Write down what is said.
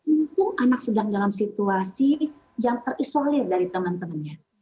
untung anak sedang dalam situasi yang terisolir dari teman temannya